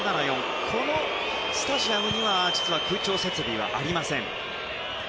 このスタジアムには実は空調設備はありません。